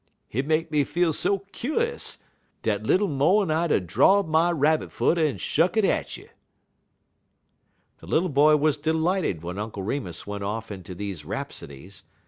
Hit make me feel so kuse dat little mo' en I'd 'a' draw'd my Rabbit foot en shuck it at you." The little boy was delighted when Uncle Remus went off into these rhapsodies.